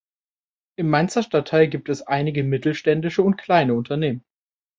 Im Mainzer Stadtteil gibt es einige mittelständische und kleine Unternehmen.